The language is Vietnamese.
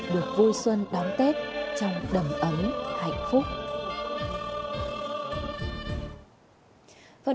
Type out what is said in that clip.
được vui xuân đón tết trong đầm ấm